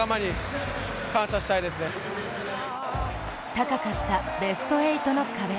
高かったベスト８の壁。